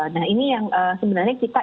nah ini yang sebenarnya kita